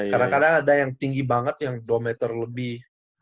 kadang kadang ada yang tinggi banget yang dua meter lebih